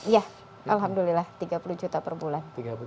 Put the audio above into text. ya alhamdulillah tiga puluh juta per bulan